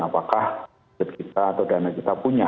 apakah jet kita atau dana kita punya